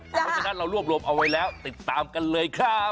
เพราะฉะนั้นเรารวบรวมเอาไว้แล้วติดตามกันเลยครับ